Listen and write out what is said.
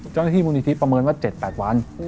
เจ้าหน้าที่มูลนิธิประเมินว่า๗๘วัน